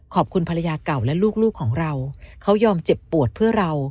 ภรรยาเก่าและลูกของเราเขายอมเจ็บปวดเพื่อเรา